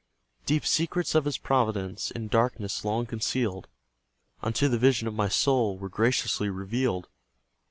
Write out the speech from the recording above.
Deep secrets of His providence, In darkness long concealed, Unto the vision of my soul Were graciously revealed.